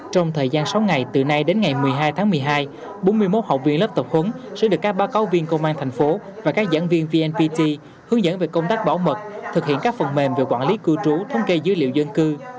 trong thời gian sáu ngày từ nay đến ngày một mươi hai tháng một mươi hai bốn mươi một học viên lớp tập huấn sẽ được các báo cáo viên công an thành phố và các giảng viên vnpt hướng dẫn về công tác bảo mật thực hiện các phần mềm về quản lý cư trú thống kê dữ liệu dân cư